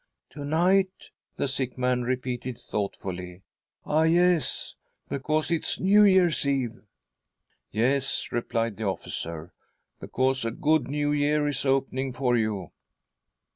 " To night !" the sick man repeated thoughtfully. " Ah, yes ! because it ! is New Year's Eve ?"" Yes," replied the officer, " because a good New Year is opening for you."